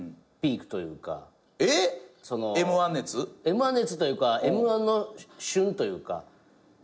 Ｍ−１熱というかＭ−１の旬というか何でしょう。